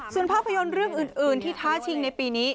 ส่วนภาพยนตร์เรื่องอื่นที่ท้าชิงในปีนี้